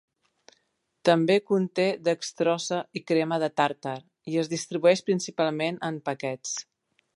També conté dextrosa i crema de tàrtar, i es distribueix principalment en paquets.